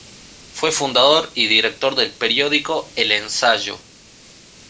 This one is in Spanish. Fue fundador y director del periódico "El Ensayo".